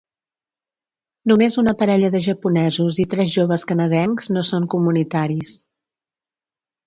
Només una parella de japonesos i tres joves canadencs no són comunitaris.